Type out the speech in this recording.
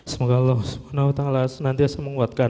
semoga allah semoga allah nanti saya menguatkan